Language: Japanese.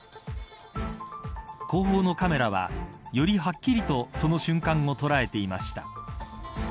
後方のカメラはよりはっきりとその瞬間を捉えていました。